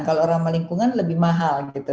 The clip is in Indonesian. kalau ramah lingkungan lebih mahal gitu